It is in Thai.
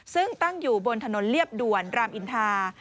ซึ่งตั้งอยู่บนถนนเรียบด่วนรามอินทา